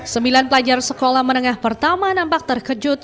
sembilan pelajar sekolah menengah pertama nampak terkejut